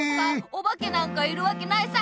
おばけなんかいるわけないさ！